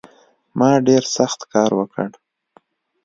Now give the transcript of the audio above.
ما ډېر سخت کار وکړ